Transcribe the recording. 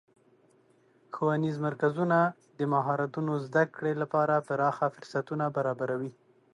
ښوونیز مرکزونه د مهارتونو زدهکړې لپاره پراخه فرصتونه برابروي.